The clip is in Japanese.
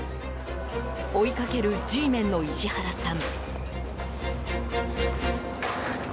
追いかけるＧメンの石原さん。